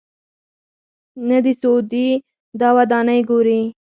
نه د سعودي دا ودانۍ ګوري.